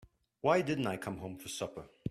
Why didn't I come home for supper?